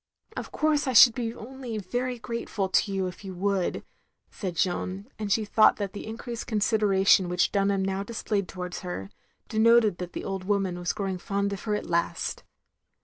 " "Of course I should be only very grateful to you if you would, " said Jeanne; and she thought that the increased consideration which Dunham now displayed towards her, denoted that the old woman was growing fond of her at last.